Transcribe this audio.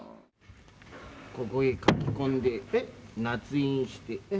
ここへ書き込んでなつ印して。